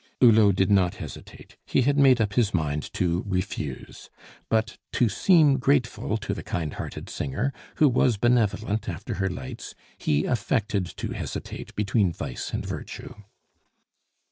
Hulot did not hesitate; he had made up his mind to refuse; but to seem grateful to the kind hearted singer, who was benevolent after her lights, he affected to hesitate between vice and virtue.